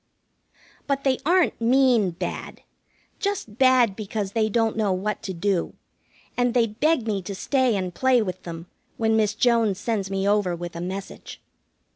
But they aren't mean bad, just bad because they don't know what to do, and they beg me to stay and play with them when Miss Jones sends me over with a message.